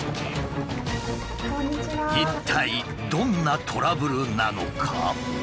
一体どんなトラブルなのか？